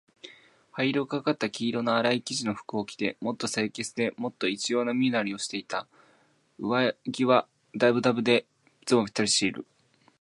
灰色がかった黄色のあらい生地の服を着て、もっと清潔で、もっと一様な身なりをしていた。上衣はだぶだぶで、ズボンはぴったりしている。